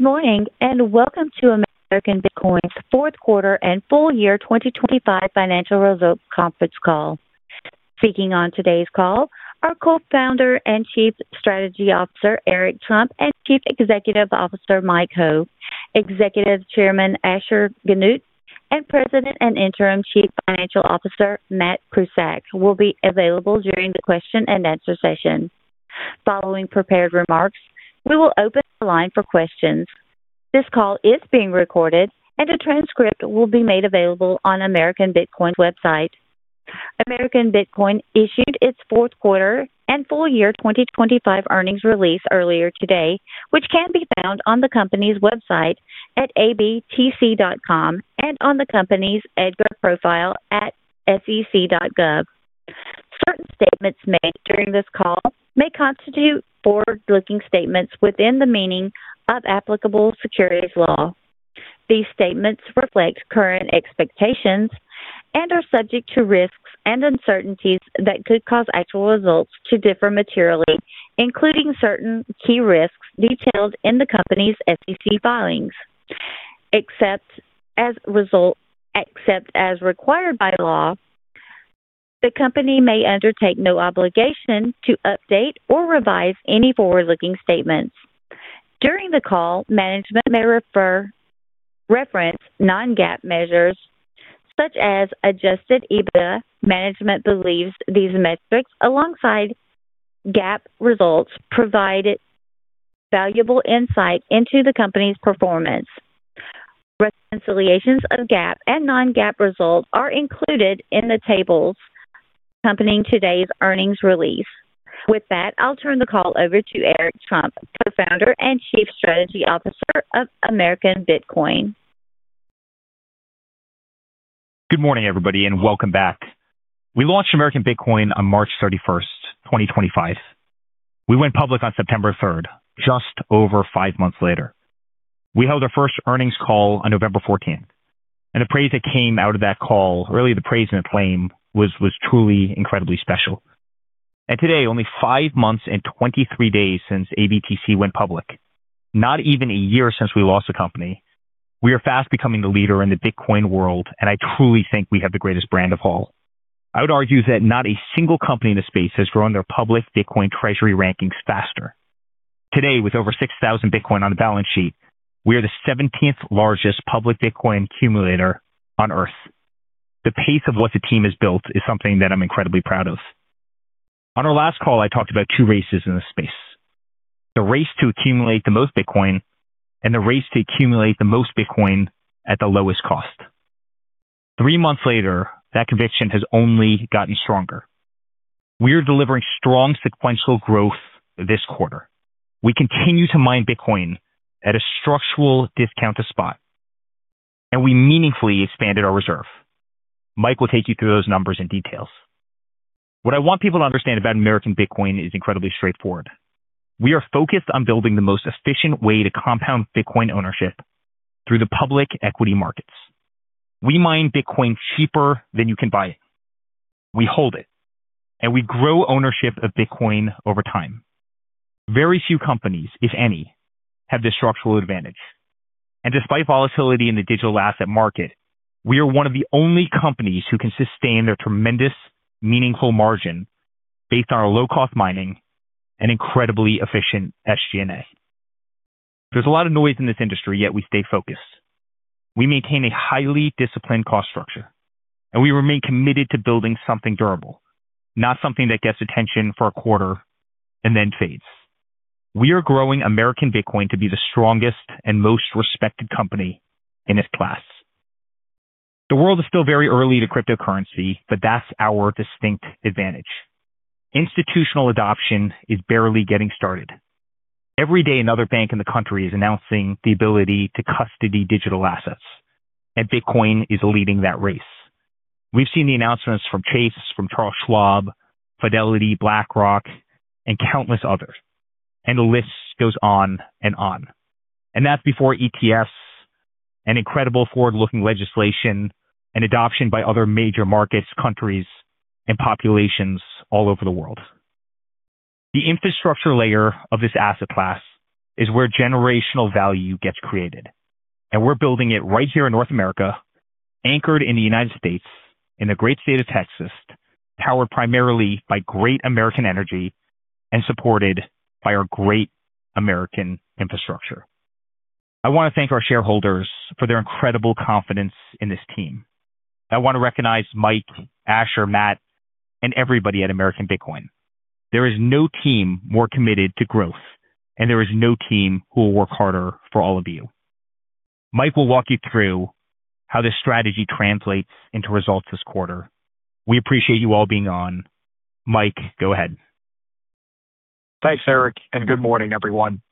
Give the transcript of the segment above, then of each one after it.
Good morning. Welcome to American Bitcoin's Fourth Quarter and Full Year 2025 financial results conference call. Speaking on today's call are Co-founder and Chief Strategy Officer, Eric Trump, and Chief Executive Officer, Michael Ho. Executive Chairman, Asher Genoot, and President and Interim Chief Financial Officer, Matt Prusak, will be available during the question and answer session. Following prepared remarks, we will open the line for questions. This call is being recorded. A transcript will be made available on American Bitcoin's website. American Bitcoin issued its fourth quarter and full year 2025 earnings release earlier today, which can be found on the company's website at abtc.com and on the company's EDGAR profile at sec.gov. Certain statements made during this call may constitute forward-looking statements within the meaning of applicable securities law. These statements reflect current expectations and are subject to risks and uncertainties that could cause actual results to differ materially, including certain key risks detailed in the company's SEC filings. Except as required by law, the company may undertake no obligation to update or revise any forward-looking statements. During the call, management may reference non-GAAP measures such as adjusted EBITDA. Management believes these metrics, alongside GAAP results, provide valuable insight into the company's performance. Reconciliations of GAAP and non-GAAP results are included in the tables accompanying today's earnings release. With that, I'll turn the call over to Eric Trump, Co-founder and Chief Strategy Officer of American Bitcoin. Good morning, everybody, welcome back. We launched American Bitcoin on March 31st, 2025. We went public on September 3rd, just over five months later. We held our first earnings call on November fourteenth, and the praise that came out of that call, really, the praise and acclaim was truly incredibly special. Today, only five months and 23 days since ABTC went public, not even a year since we launched the company, we are fast becoming the leader in the Bitcoin world, and I truly think we have the greatest brand of all. I would argue that not a single company in the space has grown their public Bitcoin treasury rankings faster. Today, with over 6,000 Bitcoin on the balance sheet, we are the seventeenth largest public Bitcoin accumulator on Earth. The pace of what the team has built is something that I'm incredibly proud of. On our last call, I talked about two races in this space: the race to accumulate the most Bitcoin and the race to accumulate the most Bitcoin at the lowest cost. Three months later, that conviction has only gotten stronger. We are delivering strong sequential growth this quarter. We continue to mine Bitcoin at a structural discount to spot, and we meaningfully expanded our reserve. Mike will take you through those numbers and details. What I want people to understand about American Bitcoin is incredibly straightforward. We are focused on building the most efficient way to compound Bitcoin ownership through the public equity markets. We mine Bitcoin cheaper than you can buy it. We hold it, and we grow ownership of Bitcoin over time. Very few companies, if any, have this structural advantage, and despite volatility in the digital asset market, we are one of the only companies who can sustain their tremendous meaningful margin based on our low-cost mining and incredibly efficient SG&A. There's a lot of noise in this industry, yet we stay focused. We maintain a highly disciplined cost structure, and we remain committed to building something durable, not something that gets attention for a quarter and then fades. We are growing American Bitcoin to be the strongest and most respected company in its class. The world is still very early to cryptocurrency, but that's our distinct advantage. Institutional adoption is barely getting started. Every day, another bank in the country is announcing the ability to custody digital assets, and Bitcoin is leading that race. We've seen the announcements from Chase, from Charles Schwab, Fidelity, BlackRock, and countless others. The list goes on and on. That's before ETFs and incredible forward-looking legislation and adoption by other major markets, countries, and populations all over the world. The infrastructure layer of this asset class is where generational value gets created, and we're building it right here in North America, anchored in the United States, in the great state of Texas, powered primarily by great American energy and supported by our great American infrastructure. I want to thank our shareholders for their incredible confidence in this team. I want to recognize Mike, Asher, Matt, and everybody at American Bitcoin. There is no team more committed to growth, and there is no team who will work harder for all of you. Mike will walk you through how this strategy translates into results this quarter. We appreciate you all being on. Mike, go ahead. Thanks, Eric. Good morning, everyone.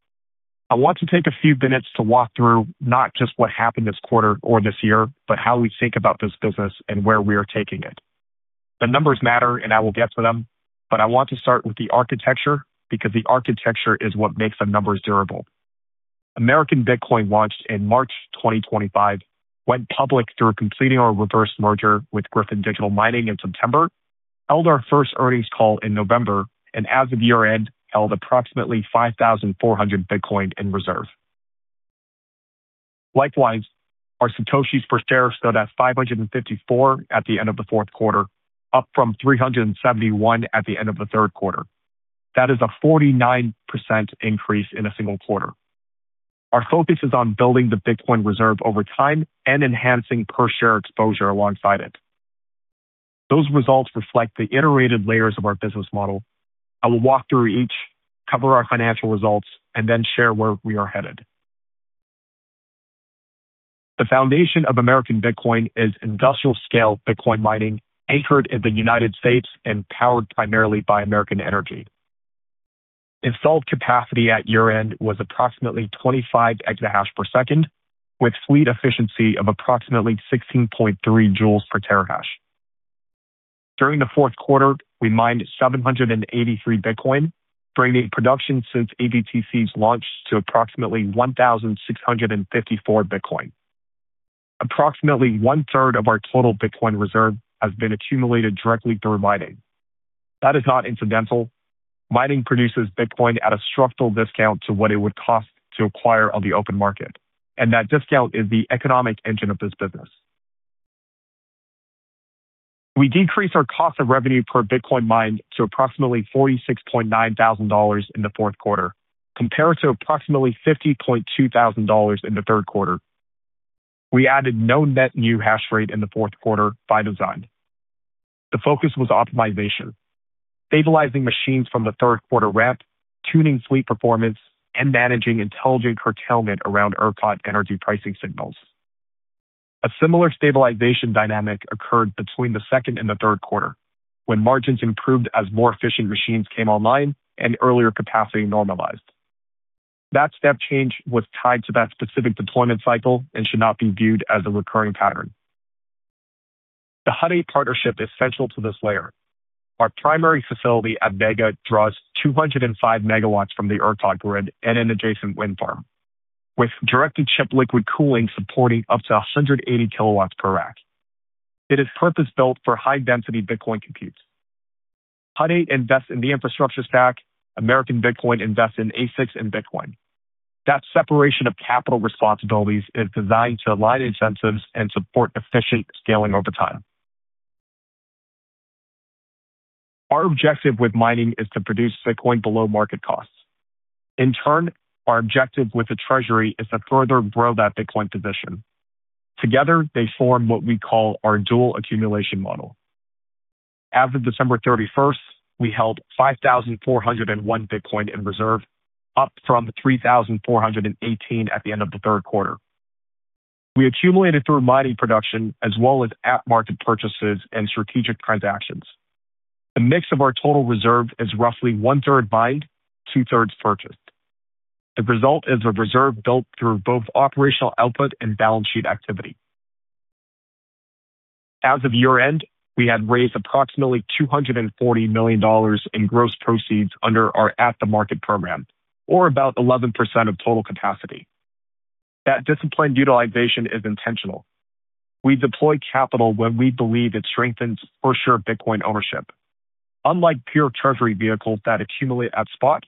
I want to take a few minutes to walk through not just what happened this quarter or this year, but how we think about this business and where we are taking it. The numbers matter, and I will get to them, but I want to start with the architecture, because the architecture is what makes the numbers durable. American Bitcoin launched in March 2025, went public through completing our reverse merger with Gryphon Digital Mining in September, held our first earnings call in November, and as of year-end, held approximately 5,400 Bitcoin in reserve. Likewise, our Satoshis per share stood at 554 at the end of the fourth quarter, up from 371 at the end of the third quarter. That is a 49% increase in a single quarter. Our focus is on building the Bitcoin reserve over time and enhancing per-share exposure alongside it. Those results reflect the iterated layers of our business model. I will walk through each, cover our financial results, and then share where we are headed. The foundation of American Bitcoin is industrial-scale Bitcoin mining, anchored in the United States and powered primarily by American energy. Installed capacity at year-end was approximately 25 exahash per second, with fleet efficiency of approximately 16.3 J/TH. During the fourth quarter, we mined 783 Bitcoin, bringing production since ABTC's launch to approximately 1,654 Bitcoin. Approximately one-third of our total Bitcoin reserve has been accumulated directly through mining. That is not incidental. Mining produces Bitcoin at a structural discount to what it would cost to acquire on the open market. That discount is the economic engine of this business. We decreased our cost of revenue per Bitcoin mined to approximately $46.9 thousand in the fourth quarter, compared to approximately $50.2 thousand in the third quarter. We added no net new hash rate in the fourth quarter by design. The focus was optimization, stabilizing machines from the third quarter ramp, tuning fleet performance, and managing intelligent curtailment around ERCOT energy pricing signals. A similar stabilization dynamic occurred between the second and the third quarter, when margins improved as more efficient machines came online and earlier capacity normalized. That step change was tied to that specific deployment cycle and should not be viewed as a recurring pattern. The Hut 8 partnership is central to this layer. Our primary facility at Vega draws 205 MW from the ERCOT grid and an adjacent wind farm, with direct-to-chip liquid cooling supporting up to 180 kW per rack. It is purpose-built for high-density Bitcoin computes. Hut 8 invests in the infrastructure stack, American Bitcoin invests in ASICs and Bitcoin. That separation of capital responsibilities is designed to align incentives and support efficient scaling over time. Our objective with mining is to produce Bitcoin below market costs. In turn, our objective with the treasury is to further grow that Bitcoin position. Together, they form what we call our dual accumulation model. As of December 31st, we held 5,401 Bitcoin in reserve, up from 3,418 at the end of the third quarter. We accumulated through mining production as well as at-market purchases and strategic transactions. The mix of our total reserve is roughly one-third mined, two-thirds purchased. The result is a reserve built through both operational output and balance sheet activity. As of year-end, we had raised approximately $240 million in gross proceeds under our at-the-market program, or about 11% of total capacity. That disciplined utilization is intentional. We deploy capital when we believe it strengthens for sure Bitcoin ownership. Unlike pure treasury vehicles that accumulate at spot,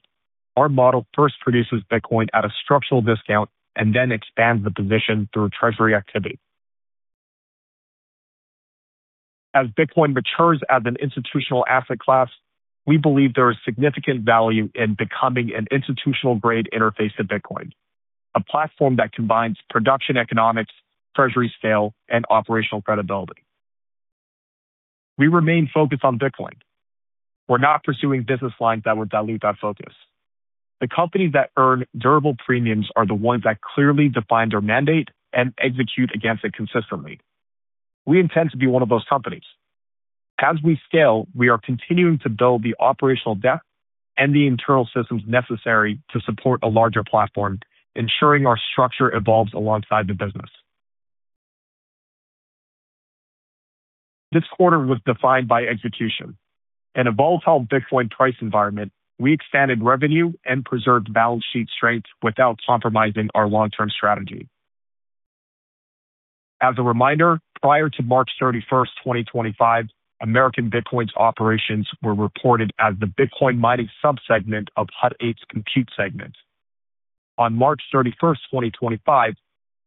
our model first produces Bitcoin at a structural discount and then expands the position through treasury activity. As Bitcoin matures as an institutional asset class, we believe there is significant value in becoming an institutional-grade interface to Bitcoin, a platform that combines production economics, treasury scale, and operational credibility. We remain focused on Bitcoin. We're not pursuing business lines that would dilute that focus. The companies that earn durable premiums are the ones that clearly define their mandate and execute against it consistently. We intend to be one of those companies. As we scale, we are continuing to build the operational depth and the internal systems necessary to support a larger platform, ensuring our structure evolves alongside the business. This quarter was defined by execution. In a volatile Bitcoin price environment, we expanded revenue and preserved balance sheet strength without compromising our long-term strategy. As a reminder, prior to March 31st, 2025, American Bitcoin's operations were reported as the Bitcoin mining sub-segment of Hut 8's Compute segment. On March 31st, 2025,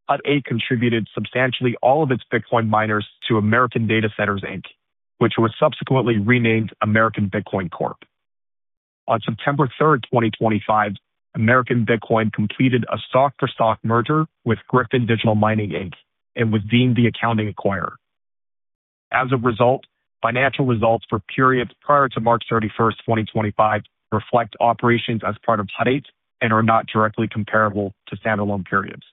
Hut 8 contributed substantially all of its Bitcoin miners to American Data Centers, Inc, which was subsequently renamed American Bitcoin Corp. On September 3rd, 2025, American Bitcoin completed a stock-for-stock merger with Gryphon Digital Mining, Inc. and was deemed the accounting acquirer. As a result, financial results for periods prior to March 31st, 2025, reflect operations as part of Hut 8 and are not directly comparable to standalone periods.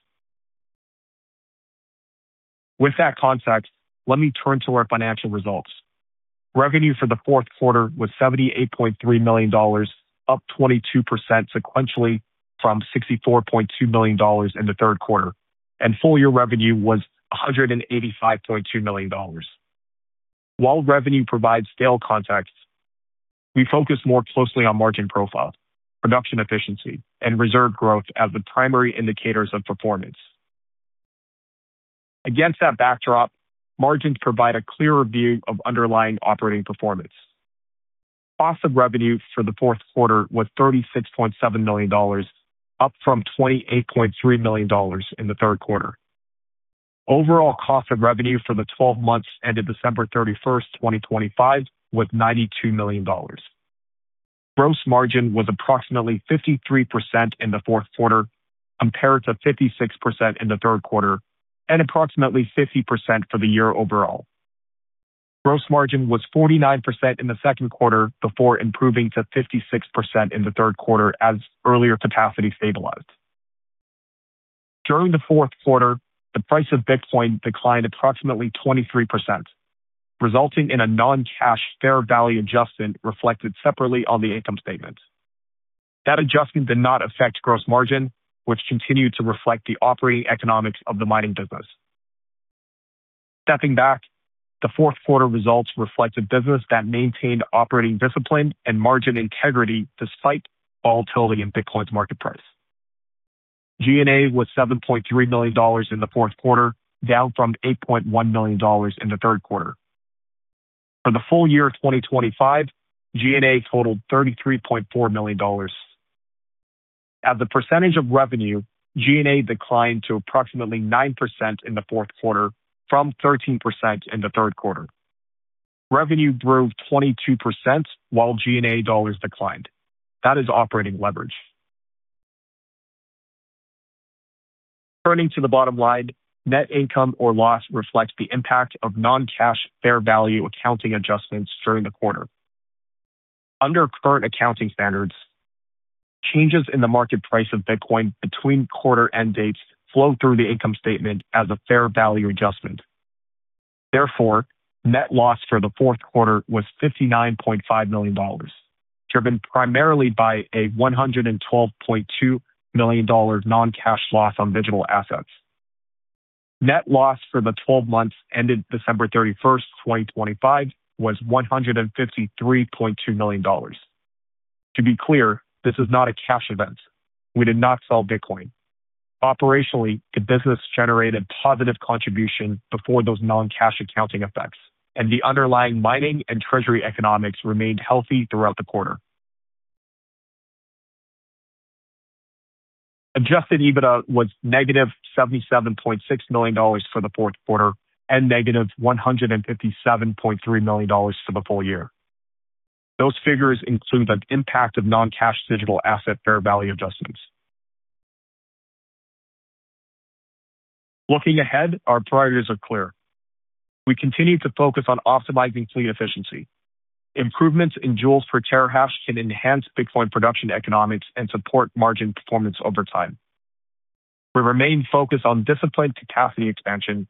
With that context, let me turn to our financial results. Revenue for the fourth quarter was $78.3 million, up 22% sequentially from $64.2 million in the third quarter, and full-year revenue was $185.2 million. While revenue provides scale context, we focus more closely on margin profile, production efficiency, and reserve growth as the primary indicators of performance.... Against that backdrop, margins provide a clearer view of underlying operating performance. Cost of revenue for the fourth quarter was $36.7 million, up from $28.3 million in the third quarter. Overall cost of revenue for the 12 months ended December 31st, 2025, was $92 million. Gross margin was approximately 53% in the fourth quarter, compared to 56% in the third quarter, and approximately 50% for the year overall. Gross margin was 49% in the second quarter before improving to 56% in the third quarter as earlier capacity stabilized. During the fourth quarter, the price of Bitcoin declined approximately 23%, resulting in a non-cash fair value adjustment reflected separately on the income statement. That adjustment did not affect gross margin, which continued to reflect the operating economics of the mining business. Stepping back, the fourth quarter results reflect a business that maintained operating discipline and margin integrity despite volatility in Bitcoin's market price. G&A was $7.3 million in the fourth quarter, down from $8.1 million in the third quarter. For the full year of 2025, G&A totaled $33.4 million. As a percentage of revenue, G&A declined to approximately 9% in the fourth quarter from 13% in the third quarter. Revenue grew 22%, while G&A dollars declined. That is operating leverage. Turning to the bottom line, net income or loss reflects the impact of non-cash fair value accounting adjustments during the quarter. Under current accounting standards, changes in the market price of Bitcoin between quarter end dates flow through the income statement as a fair value adjustment. Therefore, net loss for the fourth quarter was $59.5 million, driven primarily by a $112.2 million non-cash loss on digital assets. Net loss for the 12 months ended December 31st, 2025, was $153.2 million. To be clear, this is not a cash event. We did not sell Bitcoin. Operationally, the business generated positive contribution before those non-cash accounting effects, and the underlying Mining and Treasury economics remained healthy throughout the quarter. Adjusted EBITDA was negative $77.6 million for the fourth quarter, and negative $157.3 million for the full year. Those figures include an impact of non-cash digital asset fair value adjustments. Looking ahead, our priorities are clear. We continue to focus on optimizing fleet efficiency. Improvements in joules per terahash can enhance Bitcoin production economics and support margin performance over time. We remain focused on disciplined capacity expansion.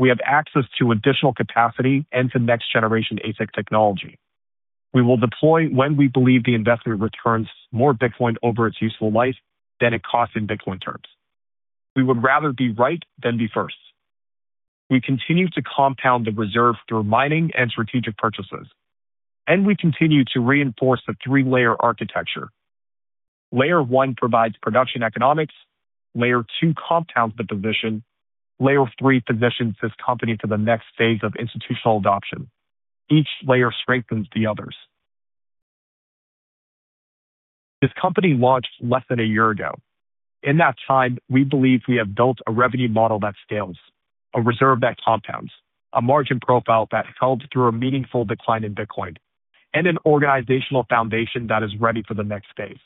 We have access to additional capacity and to next-generation ASICs technology. We will deploy when we believe the investment returns more Bitcoin over its useful life than it costs in Bitcoin terms. We would rather be right than be first. We continue to compound the reserve through mining and strategic purchases, and we continue to reinforce the three-layer architecture. Layer 1 provides production economics. Layer 2 compounds the division. Layer 3 positions this company to the next phase of institutional adoption. Each layer strengthens the others. This company launched less than a year ago. In that time, we believe we have built a revenue model that scales, a reserve that compounds, a margin profile that held through a meaningful decline in Bitcoin, and an organizational foundation that is ready for the next phase.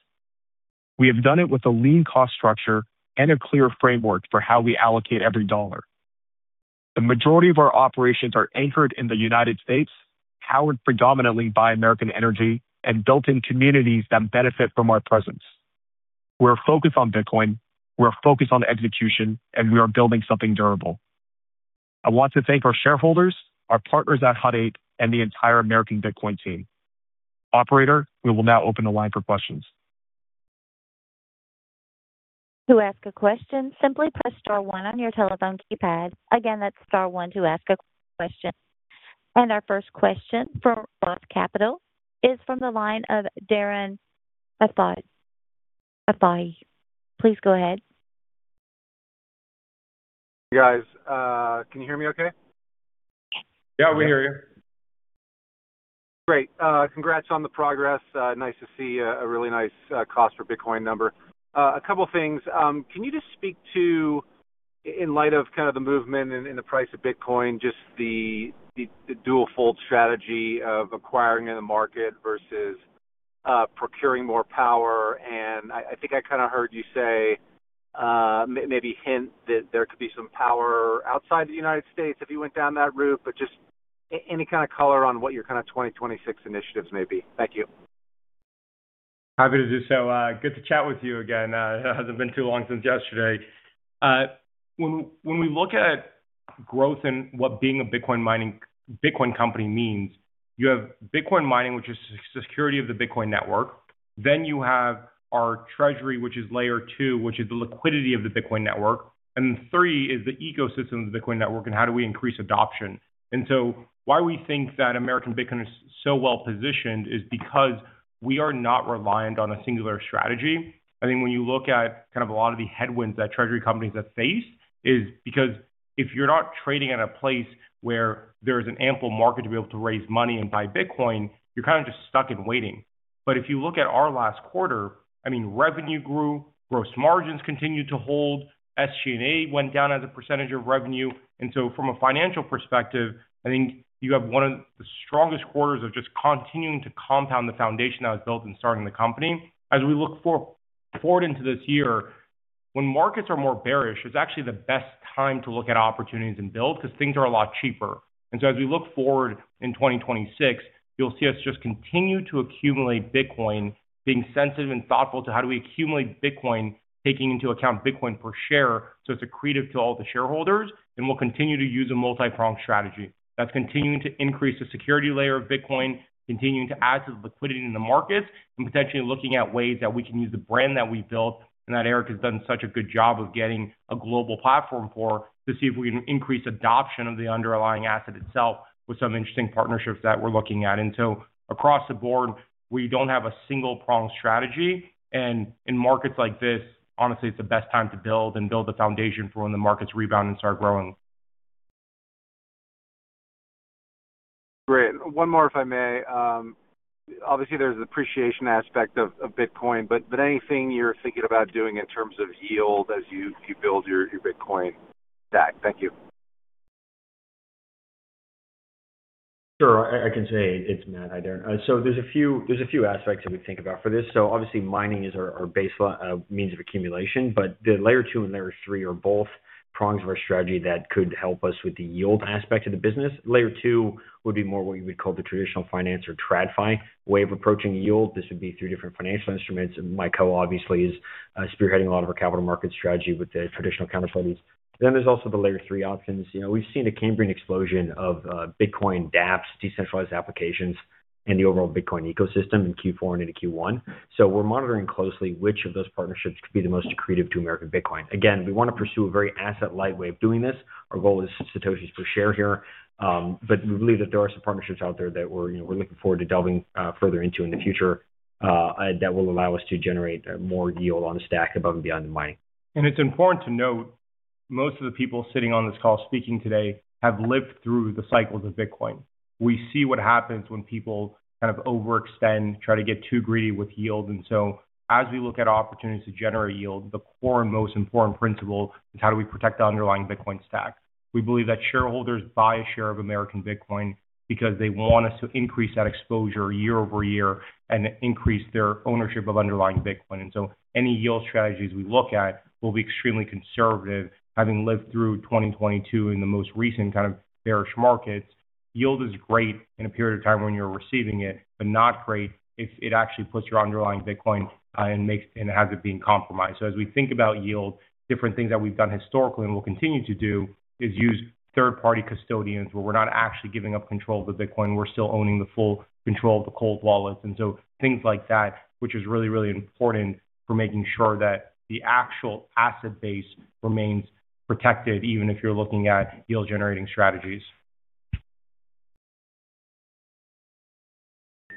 We have done it with a lean cost structure and a clear framework for how we allocate every dollar. The majority of our operations are anchored in the United States, powered predominantly by American energy, and built in communities that benefit from our presence. We're focused on Bitcoin, we're focused on execution, and we are building something durable. I want to thank our shareholders, our partners at Hut 8, and the entire American Bitcoin team. Operator, we will now open the line for questions. To ask a question, simply press star one on your telephone keypad. Again, that's star one to ask a question. Our first question from Roth Capital is from the line of Darren Aftahi, please go ahead. Guys, can you hear me okay? Yeah, we hear you. Great. Congrats on the progress. Nice to see a really nice cost for Bitcoin number. A couple of things. Can you just speak to, in light of kind of the movement in the price of Bitcoin, just the dual-fold strategy of acquiring in the market versus procuring more power? I think I kind of heard you say maybe hint that there could be some power outside the United States if you went down that route, but just any kind of color on what your kind of 2026 initiatives may be. Thank you. Happy to do so. Good to chat with you again. It hasn't been too long since yesterday. When we look at growth and what being a Bitcoin company means, you have Bitcoin mining, which is security of the Bitcoin network. You have our Treasury, which is Layer 2, which is the liquidity of the Bitcoin network. Three is the ecosystem of the Bitcoin network. How do we increase adoption? Why we think that American Bitcoin is so well-positioned is because we are not reliant on a singular strategy. I think when you look at kind of a lot of the headwinds that treasury companies have faced, is because if you're not trading at a place where there is an ample market to be able to raise money and buy Bitcoin, you're kind of just stuck in waiting. If you look at our last quarter, I mean, revenue grew, gross margins continued to hold, SG&A went down as a % of revenue. From a financial perspective, I think you have one of the strongest quarters of just continuing to compound the foundation that was built in starting the company. As we look forward into this year, when markets are more bearish, it's actually the best time to look at opportunities and build, because things are a lot cheaper. As we look forward in 2026, you'll see us just continue to accumulate Bitcoin, being sensitive and thoughtful to how do we accumulate Bitcoin, taking into account Bitcoin per share, so it's accretive to all the shareholders, and we'll continue to use a multi-pronged strategy. That's continuing to increase the security layer of Bitcoin, continuing to add to the liquidity in the markets, and potentially looking at ways that we can use the brand that we built and that Eric has done such a good job of getting a global platform for, to see if we can increase adoption of the underlying asset itself with some interesting partnerships that we're looking at. Across the board, we don't have a single-pronged strategy, and in markets like this, honestly, it's the best time to build and build the foundation for when the markets rebound and start growing. Great. One more, if I may. Obviously, there's an appreciation aspect of Bitcoin, but anything you're thinking about doing in terms of yield as you build your Bitcoin stack? Thank you. Sure, I can say it's Matt. Hi there. There's a few aspects that we think about for this. Obviously, mining is our baseline means of accumulation, but the Layer 2 and Layer 3 are both prongs of our strategy that could help us with the yield aspect of the business. Layer 2 would be more what you would call the traditional finance or TradFi way of approaching yield. This would be through different financial instruments, and Michael obviously is spearheading a lot of our capital market strategy with the traditional counterparties. There's also the Layer 3 options. You know, we've seen a Cambrian explosion of Bitcoin, DApps, decentralized applications, and the overall Bitcoin ecosystem in Q4 and into Q1. We're monitoring closely which of those partnerships could be the most accretive to American Bitcoin. We want to pursue a very asset-light way of doing this. Our goal is Satoshis per share here, but we believe that there are some partnerships out there that we're, you know, we're looking forward to delving further into in the future, that will allow us to generate more yield on the stack above and beyond the mining. It's important to note, most of the people sitting on this call speaking today, have lived through the cycles of Bitcoin. We see what happens when people kind of overextend, try to get too greedy with yield. As we look at opportunities to generate yield, the core and most important principle is how do we protect the underlying Bitcoin stack? We believe that shareholders buy a share of American Bitcoin because they want us to increase that exposure year-over-year and increase their ownership of underlying Bitcoin. Any yield strategies we look at will be extremely conservative, having lived through 2022 and the most recent kind of bearish markets. Yield is great in a period of time when you're receiving it, but not great if it actually puts your underlying Bitcoin and has it being compromised. As we think about yield, different things that we've done historically and will continue to do, is use third-party custodians, where we're not actually giving up control of the Bitcoin, we're still owning the full control of the cold wallets. Things like that, which is really, really important for making sure that the actual asset base remains protected, even if you're looking at yield-generating strategies.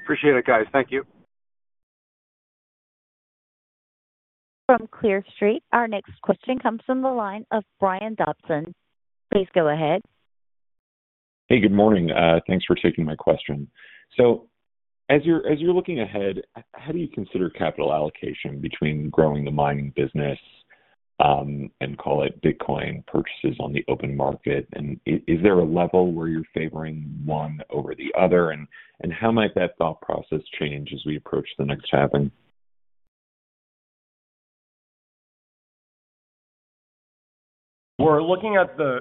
Appreciate it, guys. Thank you. From Clear Street, our next question comes from the line of Brian Dobson. Please go ahead. Hey, good morning. Thanks for taking my question. As you're looking ahead, how do you consider capital allocation between growing the mining business, and call it Bitcoin purchases on the open market? Is there a level where you're favoring one over the other? How might that thought process change as we approach the next halving? We're looking at the...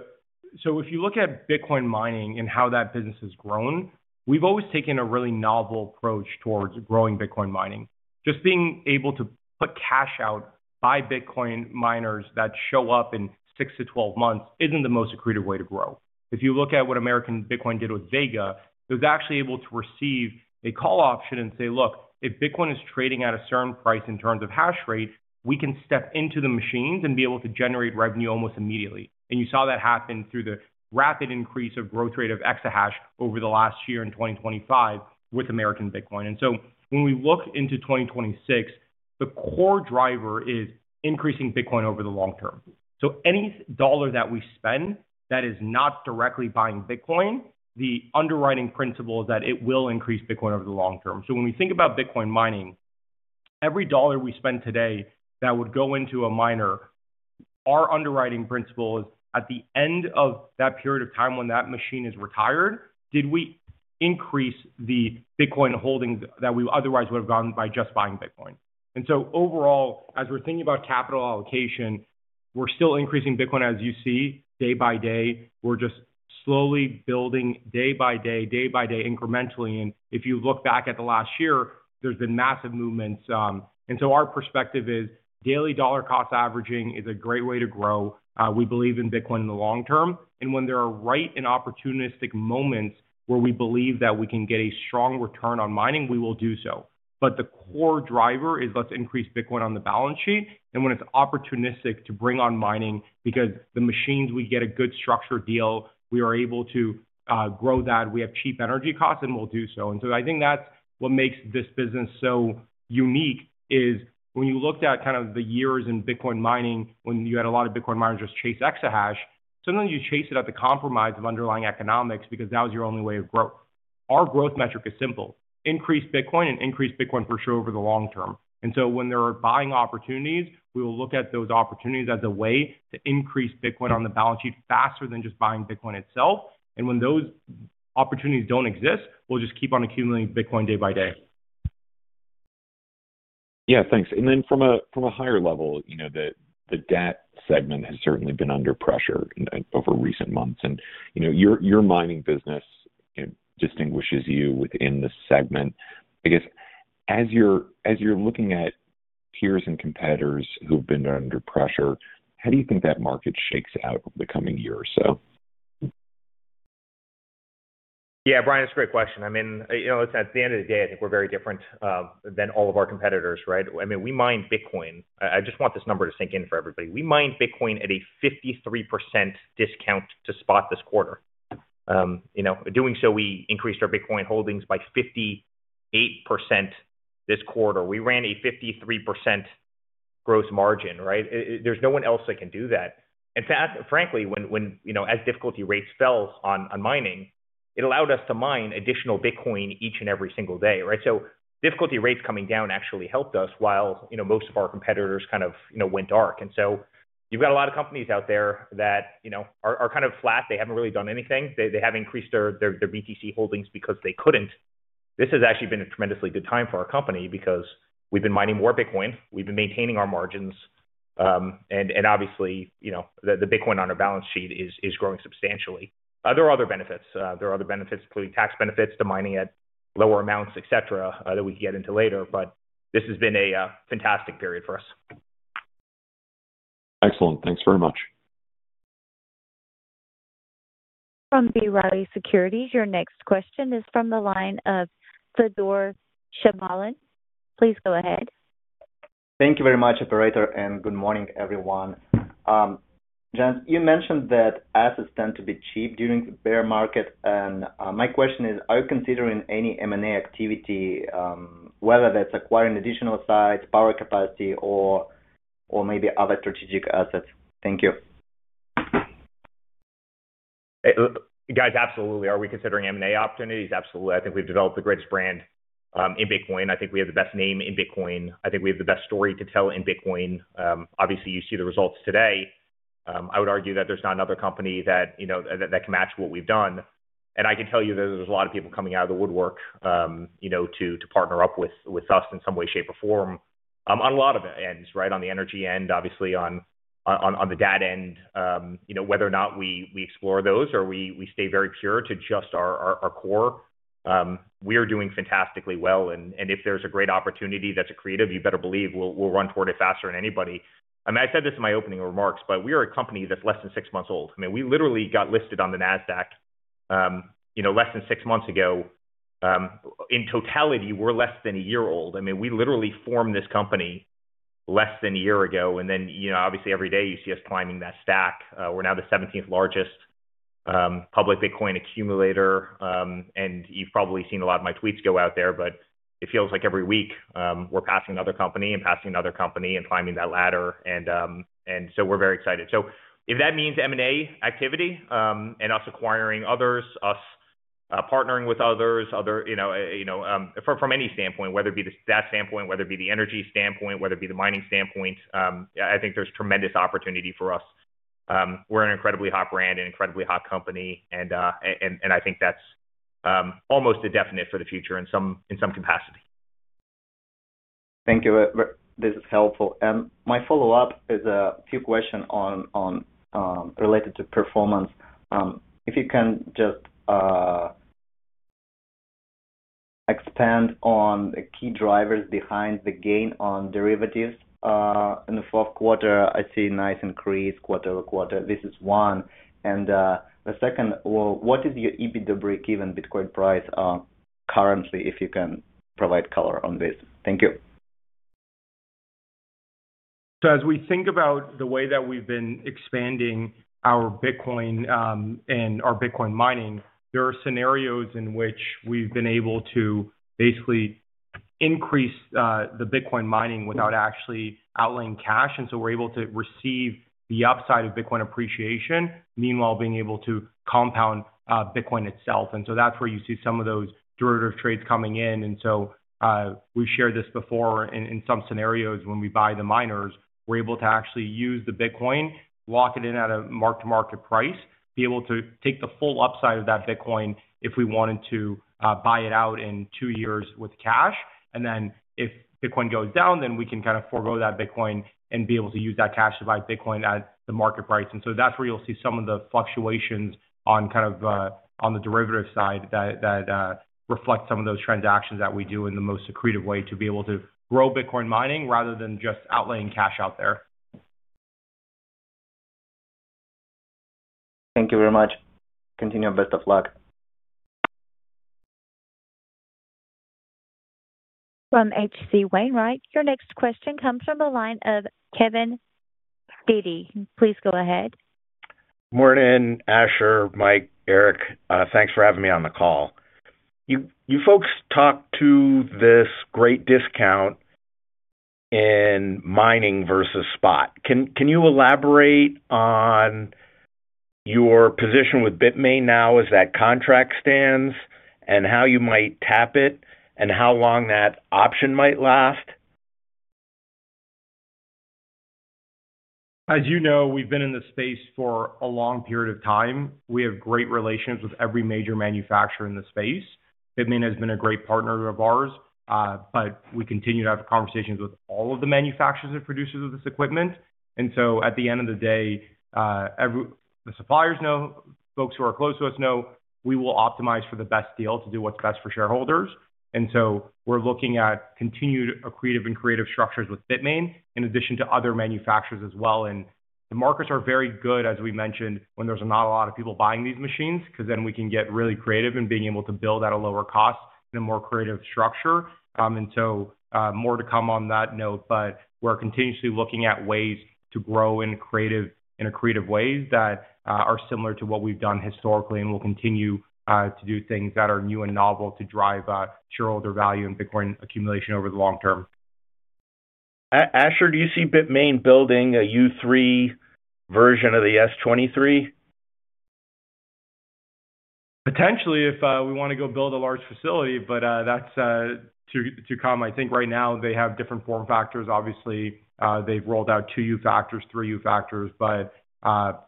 If you look at Bitcoin mining and how that business has grown, we've always taken a really novel approach towards growing Bitcoin mining. Just being able to put cash out by Bitcoin miners that show up in six to 12 months isn't the most accretive way to grow. If you look at what American Bitcoin did with Vega, it was actually able to receive a call option and say, "Look, if Bitcoin is trading at a certain price in terms of hash rate, we can step into the machines and be able to generate revenue almost immediately." You saw that happen through the rapid increase of growth rate of exahash over the last year in 2025 with American Bitcoin. When we look into 2026, the core driver is increasing Bitcoin over the long term. Any dollar that we spend that is not directly buying Bitcoin, the underwriting principle is that it will increase Bitcoin over the long term. When we think about Bitcoin mining, every dollar we spend today that would go into a miner, our underwriting principle is, at the end of that period of time when that machine is retired, did we increase the Bitcoin holdings that we otherwise would have gotten by just buying Bitcoin? Overall, as we're thinking about capital allocation, we're still increasing Bitcoin, as you see, day by day.... slowly building day by day by day, incrementally. If you look back at the last year, there's been massive movements. Our perspective is daily dollar cost averaging is a great way to grow. We believe in Bitcoin in the long term, and when there are right and opportunistic moments where we believe that we can get a strong return on mining, we will do so. The core driver is let's increase Bitcoin on the balance sheet and when it's opportunistic to bring on mining, because the machines, we get a good structured deal, we are able to grow that, we have cheap energy costs, and we'll do so. I think that's what makes this business so unique, is when you looked at kind of the years in Bitcoin mining, when you had a lot of Bitcoin miners just chase exahash, sometimes you chase it at the compromise of underlying economics because that was your only way of growth. Our growth metric is simple: increase Bitcoin and increase Bitcoin for sure over the long term. When there are buying opportunities, we will look at those opportunities as a way to increase Bitcoin on the balance sheet faster than just buying Bitcoin itself. When those opportunities don't exist, we'll just keep on accumulating Bitcoin day by day. Yeah, thanks. From a higher level, you know, the debt segment has certainly been under pressure over recent months and, you know, your mining business, it distinguishes you within the segment. I guess, as you're looking at peers and competitors who've been under pressure, how do you think that market shakes out over the coming year or so? Brian, it's a great question. I mean, you know, at the end of the day, I think we're very different than all of our competitors, right? I mean, we mine Bitcoin. I just want this number to sink in for everybody. We mine Bitcoin at a 53% discount to spot this quarter. You know, doing so, we increased our Bitcoin holdings by 58% this quarter. We ran a 53% gross margin, right? There's no one else that can do that. In fact, frankly, when, you know, as difficulty rates fell on mining, it allowed us to mine additional Bitcoin each and every single day, right? Difficulty rates coming down actually helped us while, you know, most of our competitors kind of, you know, went dark. You've got a lot of companies out there that, you know, are kind of flat. They haven't really done anything. They haven't increased their BTC holdings because they couldn't. This has actually been a tremendously good time for our company because we've been mining more Bitcoin, we've been maintaining our margins, and obviously, you know, the Bitcoin on our balance sheet is growing substantially. There are other benefits. There are other benefits, including tax benefits to mining at lower amounts, et cetera, that we can get into later, but this has been a fantastic period for us. Excellent. Thanks very much. From B. Riley Securities, your next question is from the line of Fedor Shabalin. Please go ahead. Thank you very much, operator, and good morning, everyone. Gents, you mentioned that assets tend to be cheap during the bear market. My question is, are you considering any M&A activity, whether that's acquiring additional sites, power capacity or maybe other strategic assets? Thank you. Guys, absolutely. Are we considering M&A opportunities? Absolutely. I think we've developed the greatest brand in Bitcoin. I think we have the best name in Bitcoin. I think we have the best story to tell in Bitcoin. Obviously, you see the results today. I would argue that there's not another company that, you know, that can match what we've done. I can tell you there's a lot of people coming out of the woodwork, you know, to partner up with us in some way, shape, or form, on a lot of ends, right? On the energy end, obviously on the data end, you know, whether or not we explore those or we stay very pure to just our core, we are doing fantastically well, and if there's a great opportunity that's accretive, you better believe we'll run toward it faster than anybody. I mean, I said this in my opening remarks, we are a company that's less than six months old. I mean, we literally got listed on the Nasdaq, you know, less than six months ago. In totality, we're less than one year old. I mean, we literally formed this company less than one year ago, you know, obviously, every day you see us climbing that stack. We're now the 17th largest public Bitcoin accumulator. You've probably seen a lot of my tweets go out there, but it feels like every week, we're passing another company and passing another company and climbing that ladder. We're very excited. If that means M&A activity, and us acquiring others, us partnering with others, other, you know, you know, from any standpoint, whether it be the stat standpoint, whether it be the energy standpoint, whether it be the mining standpoint, I think there's tremendous opportunity for us. We're an incredibly hot brand and incredibly hot company, and I think that's almost a definite for the future in some capacity. Thank you. This is helpful. My follow-up is a few questions on related to performance. If you can just expand on the key drivers behind the gain on derivatives in the fourth quarter, I see a nice increase quarter-over-quarter. This is one. The second, well, what is your EBITDA breakeven Bitcoin price currently, if you can provide color on this? Thank you. As we think about the way that we've been expanding our Bitcoin, and our Bitcoin mining, there are scenarios in which we've been able to basically increase the Bitcoin mining without actually outlaying cash, we're able to receive the upside of Bitcoin appreciation, meanwhile, being able to compound Bitcoin itself. That's where you see some of those derivative trades coming in. We've shared this before, in some scenarios when we buy the miners, we're able to actually use the Bitcoin, lock it in at a mark-to-market price, be able to take the full upside of that Bitcoin if we wanted to buy it out in two years with cash. If Bitcoin goes down, then we can kind of forego that Bitcoin and be able to use that cash to buy Bitcoin at the market price. That's where you'll see some of the fluctuations on kind of, on the derivative side that reflect some of those transactions that we do in the most accretive way to be able to grow Bitcoin mining rather than just outlaying cash out there. Thank you very much. Continue. Best of luck. From H.C. Wainwright, your next question comes from the line of Kevin Dede. Please go ahead. Morning, Asher, Mike, Eric, thanks for having me on the call. You folks talked to this great discount in mining versus spot. Can you elaborate on your position with Bitmain now as that contract stands, and how you might tap it, and how long that option might last? As you know, we've been in this space for a long period of time. We have great relations with every major manufacturer in the space. Bitmain has been a great partner of ours, but we continue to have conversations with all of the manufacturers and producers of this equipment. At the end of the day, the suppliers know, folks who are close to us know, we will optimize for the best deal to do what's best for shareholders. We're looking at continued accretive and creative structures with Bitmain, in addition to other manufacturers as well. The markets are very good, as we mentioned, when there's not a lot of people buying these machines, 'cause then we can get really creative in being able to build at a lower cost in a more creative structure. More to come on that note, but we're continuously looking at ways to grow in creative, in a creative ways that are similar to what we've done historically. We'll continue to do things that are new and novel to drive shareholder value and Bitcoin accumulation over the long term. Asher, do you see Bitmain building a U3 version of the S23? Potentially, if we want to go build a large facility, but that's to come. I think right now they have different form factors. Obviously, they've rolled out two U-factors, three U-factors, but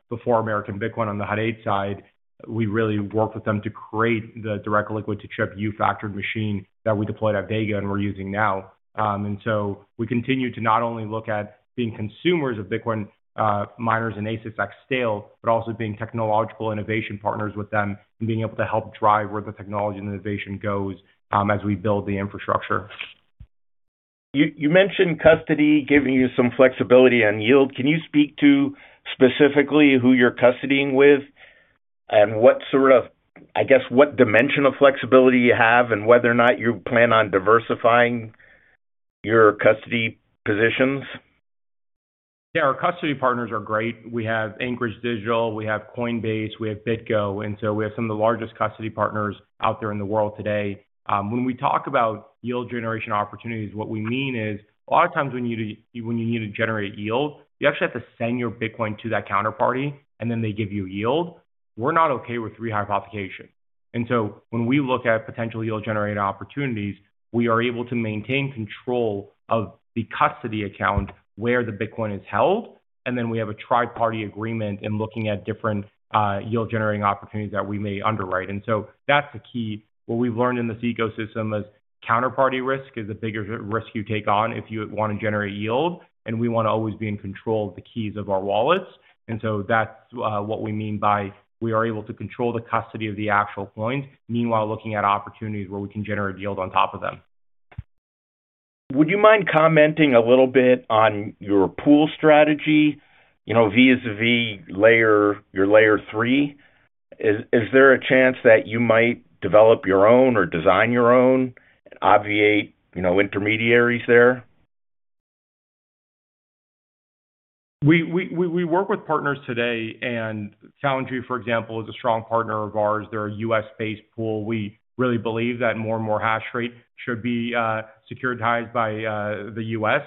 before American Bitcoin on the Hut 8 side, we really worked with them to create the direct liquid chip U-factored machine that we deployed at Vega and we're using now. We continue to not only look at being consumers of Bitcoin, miners and ASICs, but also being technological innovation partners with them and being able to help drive where the technology and innovation goes as we build the infrastructure. You mentioned custody giving you some flexibility on yield. Can you speak to specifically who you're custodying with? What sort of, I guess, what dimension of flexibility you have, and whether or not you plan on diversifying your custody positions? Yeah, our custody partners are great. We have Anchorage Digital, we have Coinbase, we have BitGo, we have some of the largest custody partners out there in the world today. When we talk about yield generation opportunities, what we mean is, a lot of times when you need to generate yield, you actually have to send your Bitcoin to that counterparty, and then they give you yield. We're not okay with rehypothecation. When we look at potential yield generator opportunities, we are able to maintain control of the custody account where the Bitcoin is held, and then we have a triparty agreement in looking at different yield generating opportunities that we may underwrite. That's the key. What we've learned in this ecosystem is counterparty risk is the bigger risk you take on if you want to generate yield, and we want to always be in control of the keys of our wallets. That's what we mean by we are able to control the custody of the actual coins, meanwhile, looking at opportunities where we can generate yield on top of them. Would you mind commenting a little bit on your pool strategy, you know, vis-a-vis layer, your Layer 3? Is there a chance that you might develop your own or design your own and obviate, you know, intermediaries there? We work with partners today. Foundry, for example, is a strong partner of ours. They're a U.S.-based pool. We really believe that more and more hash rate should be securitized by the U.S.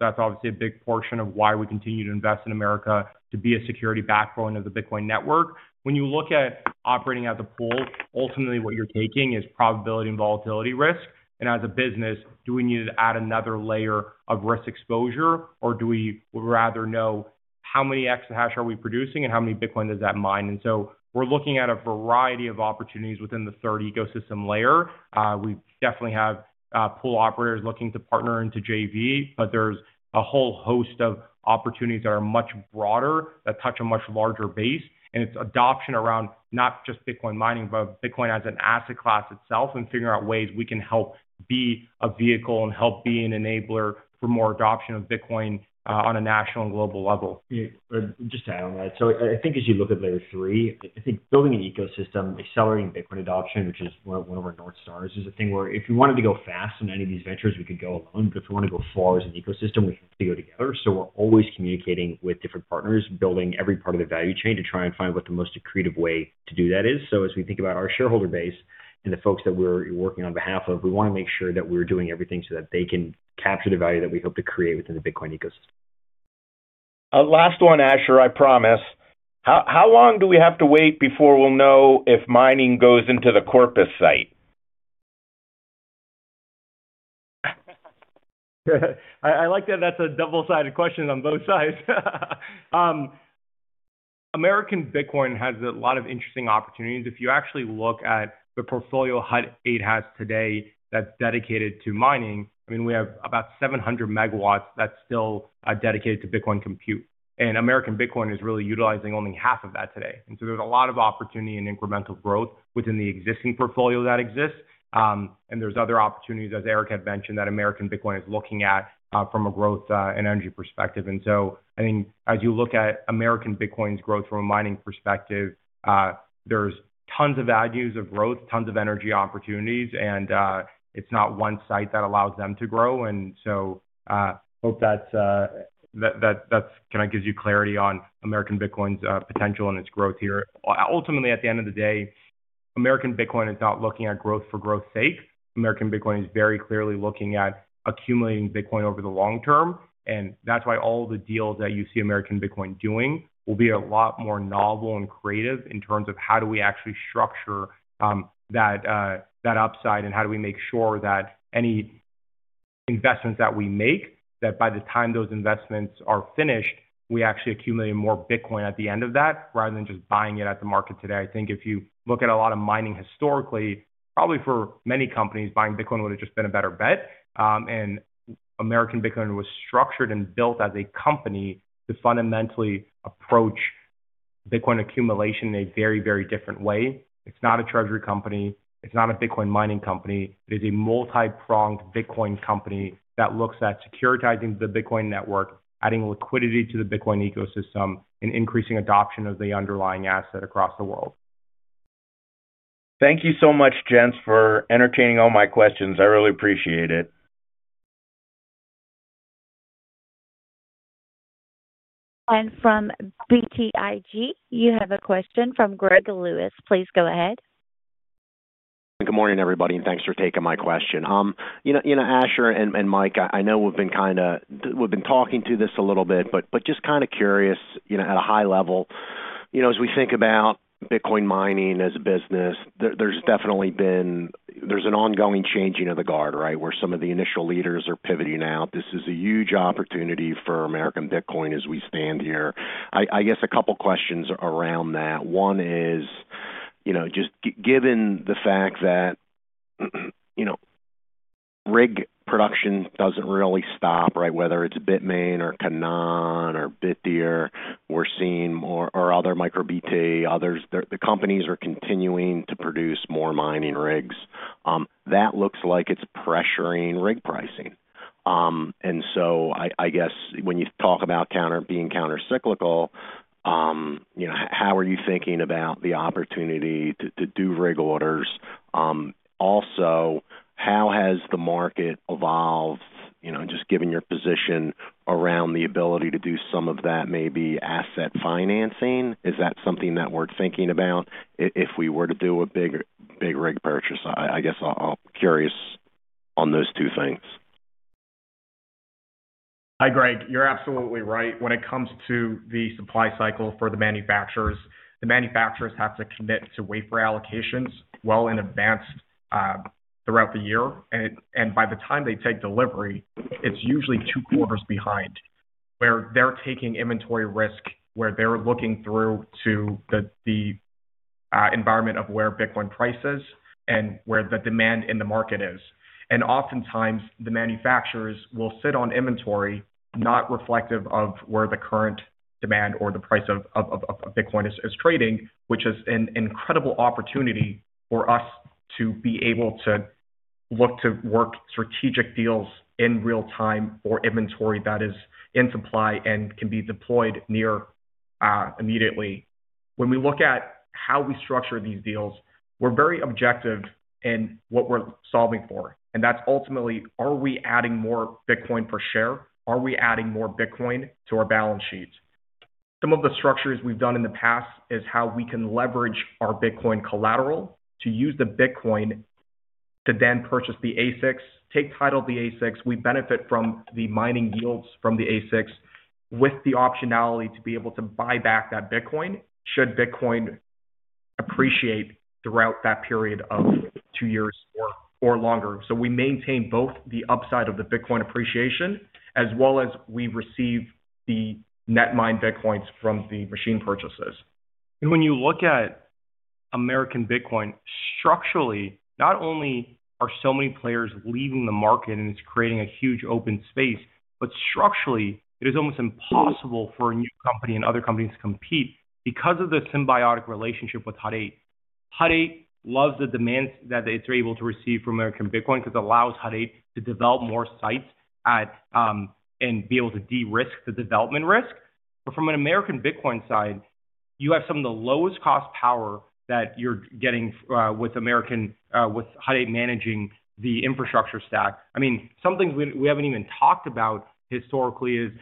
That's obviously a big portion of why we continue to invest in America to be a security backbone of the Bitcoin network. When you look at operating as a pool, ultimately what you're taking is probability and volatility risk. As a business, do we need to add another layer of risk exposure, or do we rather know how many X of hash are we producing and how many Bitcoin does that mine? We're looking at a variety of opportunities within the third ecosystem layer. We definitely have pool operators looking to partner into JV, but there's a whole host of opportunities that are much broader, that touch a much larger base. It's adoption around not just Bitcoin mining, but Bitcoin as an asset class itself, and figuring out ways we can help be a vehicle and help be an enabler for more adoption of Bitcoin on a national and global level. Yeah, just to add on that. I think as you look at Layer 3, I think building an ecosystem, accelerating Bitcoin adoption, which is one of our North Stars, is a thing where if we wanted to go fast in any of these ventures, we could go alone. If we want to go far as an ecosystem, we have to go together. We're always communicating with different partners, building every part of the value chain to try and find what the most accretive way to do that is. As we think about our shareholder base and the folks that we're working on behalf of, we want to make sure that we're doing everything so that they can capture the value that we hope to create within the Bitcoin ecosystem. Last one, Asher, I promise. How long do we have to wait before we'll know if mining goes into the Corpus site? I like that that's a double-sided question on both sides. American Bitcoin has a lot of interesting opportunities. If you actually look at the portfolio Hut 8 has today that's dedicated to mining, I mean, we have about 700 MW that's still dedicated to Bitcoin compute, and American Bitcoin is really utilizing only half of that today. There's a lot of opportunity and incremental growth within the existing portfolio that exists. There's other opportunities, as Eric had mentioned, that American Bitcoin is looking at from a growth and energy perspective. I mean, as you look at American Bitcoin's growth from a mining perspective, there's tons of avenues of growth, tons of energy opportunities, and it's not one site that allows them to grow. Hope that's kinda gives you clarity on American Bitcoin's potential and its growth here. Ultimately, at the end of the day, American Bitcoin is not looking at growth for growth's sake. American Bitcoin is very clearly looking at accumulating Bitcoin over the long term, and that's why all the deals that you see American Bitcoin doing will be a lot more novel and creative in terms of how do we actually structure that upside, and how do we make sure that any investments that we make, that by the time those investments are finished, we actually accumulate more Bitcoin at the end of that, rather than just buying it at the market today. I think if you look at a lot of mining historically, probably for many companies, buying Bitcoin would have just been a better bet. American Bitcoin was structured and built as a company to fundamentally approach Bitcoin accumulation in a very, very different way. It's not a treasury company, it's not a Bitcoin mining company. It is a multi-pronged Bitcoin company that looks at securitizing the Bitcoin network, adding liquidity to the Bitcoin ecosystem, and increasing adoption of the underlying asset across the world. Thank you so much, gents, for entertaining all my questions. I really appreciate it. From BTIG, you have a question from Greg Lewis. Please go ahead. Good morning, everybody, and thanks for taking my question. you know, Asher and Michael, I know we've been talking to this a little bit, but just kinda curious, you know, at a high level, you know, as we think about Bitcoin mining as a business, there's definitely been an ongoing changing of the guard, right? Where some of the initial leaders are pivoting out. This is a huge opportunity for American Bitcoin as we stand here. I guess a couple questions around that. One is, you know, just given the fact that, you know, rig production doesn't really stop, right? Whether it's Bitmain or Canaan or Bitdeer, we're seeing more or other MicroBT, others. The companies are continuing to produce more mining rigs. That looks like it's pressuring rig pricing. I guess when you talk about being countercyclical, how are you thinking about the opportunity to do rig orders? Also, how has the market evolved, just given your position around the ability to do some of that maybe asset financing? Is that something that we're thinking about, if we were to do a big rig purchase? I guess I'm curious on those two things. Hi, Greg. You're absolutely right. When it comes to the supply cycle for the manufacturers, the manufacturers have to commit to wait for allocations well in advance, throughout the year, and by the time they take delivery, it's usually two quarters behind, where they're taking inventory risk, where they're looking through to the environment of where Bitcoin price is and where the demand in the market is. Oftentimes, the manufacturers will sit on inventory, not reflective of where the current demand or the price of Bitcoin is trading, which is an incredible opportunity for us to be able to look to work strategic deals in real time or inventory that is in supply and can be deployed near immediately. When we look at how we structure these deals, we're very objective in what we're solving for, that's ultimately, are we adding more Bitcoin per share? Are we adding more Bitcoin to our balance sheets? Some of the structures we've done in the past is how we can leverage our Bitcoin collateral to use the Bitcoin to then purchase the ASICs, take title of the ASICs. We benefit from the mining yields from the ASICs, with the optionality to be able to buy back that Bitcoin, should Bitcoin appreciate throughout that period of two years or longer. We maintain both the upside of the Bitcoin appreciation, as well as we receive the net mined Bitcoins from the machine purchases. When you look at American Bitcoin, structurally, not only are so many players leaving the market and it's creating a huge open space, but structurally, it is almost impossible for a new company and other companies to compete because of the symbiotic relationship with Hut 8. Hut 8 loves the demands that they're able to receive from American Bitcoin because it allows Hut 8 to develop more sites at and be able to de-risk the development risk. From an American Bitcoin side, you have some of the lowest cost power that you're getting with American with Hut 8 managing the infrastructure stack. I mean, something we haven't even talked about historically is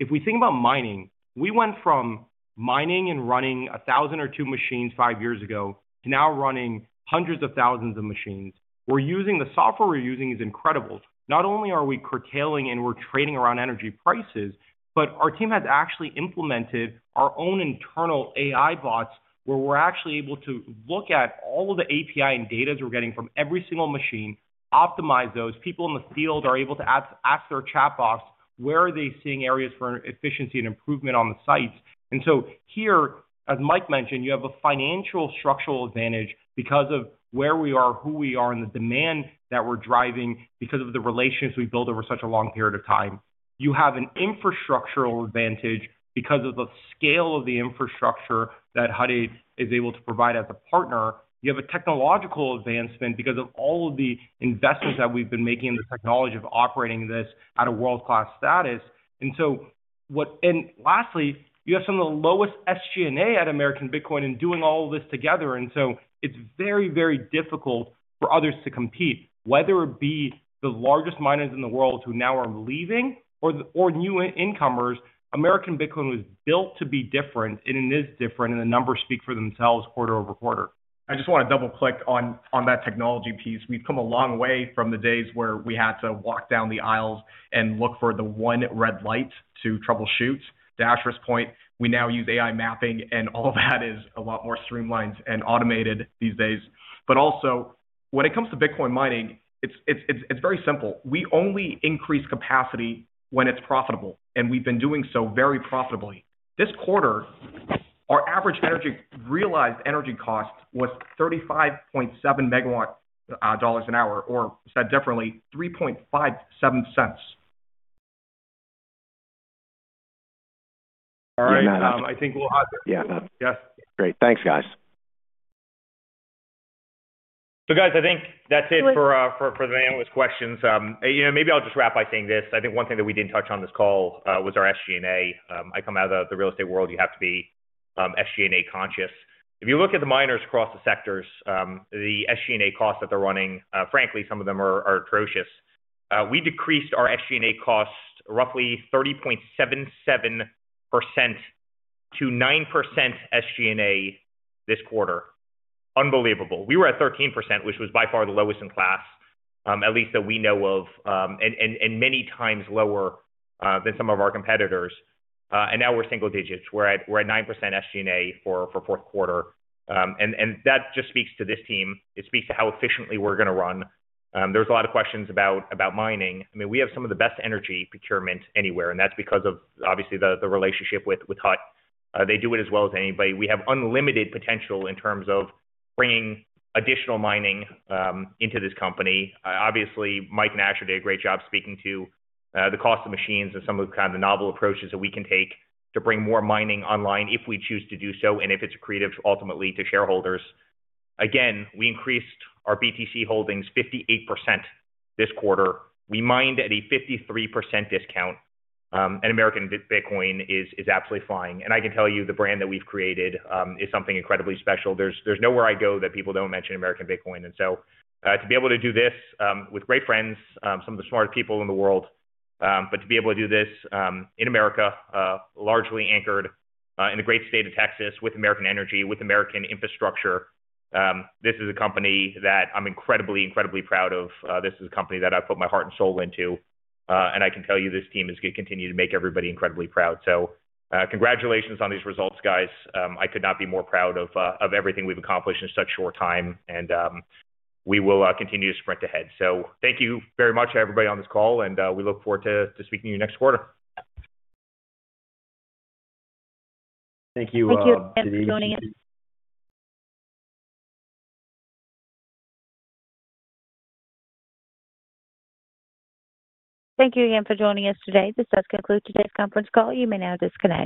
if we think about mining, we went from mining and running 1,000 or two machines five years ago, to now running hundreds of thousands of machines. The software we're using is incredible. Not only are we curtailing and we're trading around energy prices, but our team has actually implemented our own internal AI bots, where we're actually able to look at all of the API and data we're getting from every single machine, optimize those. People in the field are able to ask their chat bots, where are they seeing areas for efficiency and improvement on the sites? Here, as Mike mentioned, you have a financial structural advantage because of where we are, who we are, and the demand that we're driving because of the relationships we've built over such a long period of time. You have an infrastructural advantage because of the scale of the infrastructure that Hut 8 is able to provide as a partner. You have a technological advancement because of all of the investments that we've been making in the technology of operating this at a world-class status. Lastly, you have some of the lowest SG&A at American Bitcoin in doing all of this together, it's very, very difficult for others to compete, whether it be the largest miners in the world who now are leaving or the new incomers. American Bitcoin was built to be different, and it is different, and the numbers speak for themselves quarter-over-quarter. I just want to double-click on that technology piece. We've come a long way from the days where we had to walk down the aisles and look for the one red light to troubleshoot. To Asher's point, we now use AI mapping, and all of that is a lot more streamlined and automated these days. Also, when it comes to Bitcoin mining, it's very simple. We only increase capacity when it's profitable, and we've been doing so very profitably. This quarter, our average realized energy cost was $35.7 megawatt an hour, or said differently, $0.0357. All right. Yeah. Yes. Great. Thanks, guys. Guys, I think that's it for the analyst questions. You know, maybe I'll just wrap by saying this. I think one thing that we didn't touch on this call, was our SG&A. I come out of the real estate world, you have to be SG&A conscious. If you look at the miners across the sectors, the SG&A costs that they're running, frankly, some of them are atrocious. We decreased our SG&A costs roughly 30.77% to 9% SG&A this quarter. Unbelievable. We were at 13%, which was by far the lowest in class, at least that we know of, and many times lower than some of our competitors. Now we're single digits. We're at 9% SG&A for fourth quarter. That just speaks to this team. It speaks to how efficiently we're going to run. There's a lot of questions about mining. I mean, we have some of the best energy procurement anywhere, and that's because of, obviously, the relationship with Hut 8. They do it as well as anybody. We have unlimited potential in terms of bringing additional mining into this company. Obviously, Mike and Asher did a great job speaking to the cost of machines and some of the kind of the novel approaches that we can take to bring more mining online if we choose to do so, and if it's accretive, ultimately, to shareholders. Again, we increased our BTC holdings 58% this quarter. We mined at a 53% discount, and American Bitcoin is absolutely flying. I can tell you, the brand that we've created is something incredibly special. There's nowhere I go that people don't mention American Bitcoin. To be able to do this with great friends, some of the smartest people in the world, but to be able to do this in America, largely anchored in the great state of Texas, with American energy, with American infrastructure, this is a company that I'm incredibly proud of. This is a company that I put my heart and soul into, and I can tell you this team is gonna continue to make everybody incredibly proud. Congratulations on these results, guys. I could not be more proud of everything we've accomplished in such a short time, and we will continue to sprint ahead. Thank you very much, everybody, on this call, and we look forward to speaking to you next quarter. Thank you. Thank you again for joining us today. This does conclude today's conference call. You may now disconnect.